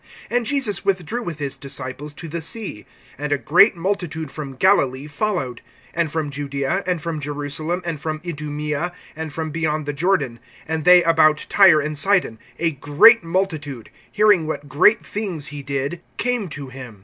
(7)And Jesus withdrew with his disciples to the sea. And a great multitude from Galilee followed; and from Judaea, (8)and from Jerusalem, and from Idumea, and from beyond the Jordan, and they about Tyre and Sidon, a great multitude, hearing what great things he did, came to him.